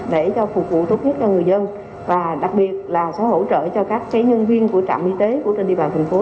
sở y tế sẽ hỗ trợ cho các nhân viên của trạm y tế của trên địa bàn thành phố